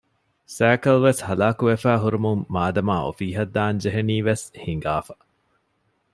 ސައިކަލްވެސް ހަލާކުވެފައި ވުމުން މާދަމާ އޮފީހަށް ދާން ޖެހެނީވެސް ހިނގާފަ